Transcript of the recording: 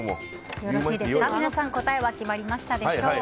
皆さん、答えは決まりましたか。